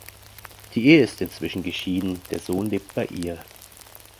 Die Ehe ist inzwischen geschieden, der Sohn lebt bei ihr.